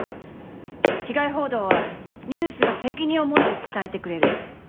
被害報道はニュースが責任を持って伝えてくれる。